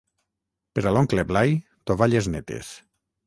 Per a l'oncle Blai, tovalles netes.